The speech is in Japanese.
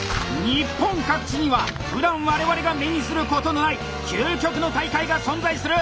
日本各地にはふだん我々が目にすることのない究極の大会が存在する！